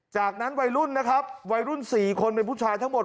จากนั้นวัยรุ่นนะครับวัยรุ่น๔คนเป็นผู้ชายทั้งหมด